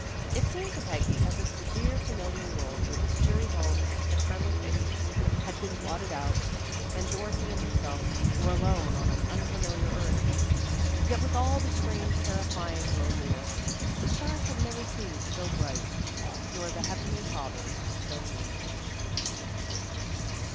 It seemed to Peggy as if the dear familiar world with its cheery homes and friendly faces, had been blotted out, and Dorothy and herself were alone on an unfamiliar earth. Yet with all the strange, terrifying loneliness, the stars had never seemed so bright nor the heavenly Father so near.